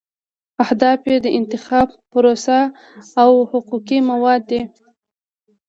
اهداف یې د انتخاب پروسه او حقوقي موارد دي.